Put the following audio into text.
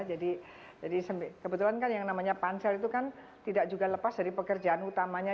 jadi kebetulan kan yang namanya pansel itu kan tidak juga lepas dari pekerjaan utamanya